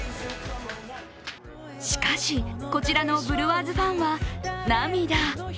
しかし、こちらのブルワーズファンは涙。